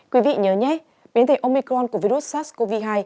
quý vị nhớ nhé biến thể omicron của virus sars cov hai